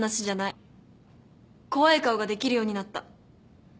怖い顔ができるようになった。